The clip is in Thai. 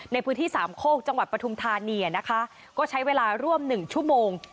ในพื้นที่สามโคกจังหวัดปฐุมธานีนะคะก็ใช้เวลาร่วม๑ชั่วโมง